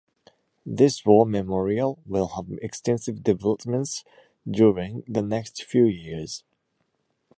This war memorial will have extensive developments during the next few years.